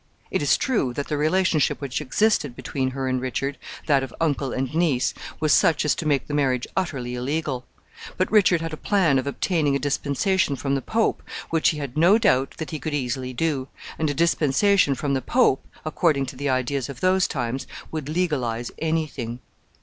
It is true that the relationship which existed between her and Richard, that of uncle and niece, was such as to make the marriage utterly illegal. But Richard had a plan of obtaining a dispensation from the Pope, which he had no doubt that he could easily do, and a dispensation from the Pope, according to the ideas of those times, would legalize any thing.